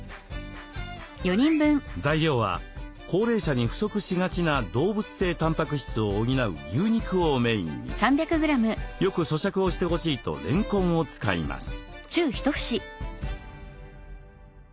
材料は高齢者に不足しがちな動物性たんぱく質を補う牛肉をメインによくそしゃくをしてほしいとれんこんを使います。